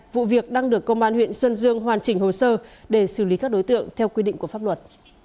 vụ việc đang được công an huyện sơn dương hoàn chỉnh hồ sơ để xử lý các đối tượng theo quy định của pháp luật